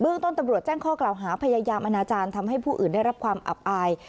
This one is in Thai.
ต้นตำรวจแจ้งข้อกล่าวหาพยายามอนาจารย์ทำให้ผู้อื่นได้รับความอับอาย